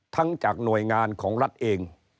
จากหน่วยงานของรัฐเอง